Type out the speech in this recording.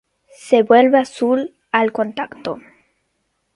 Se vuelve azul al contacto.